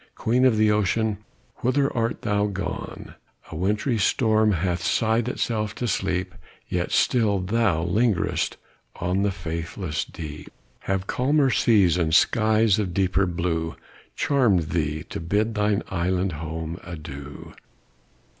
Queen of the ocean! whither art thou gone? The wintry storm hath sighed itself to sleep, Yet still thou lingerest on the faithless deep; Have calmer seas, and skies of deeper blue, Charm'd thee to bid thine island home adieu!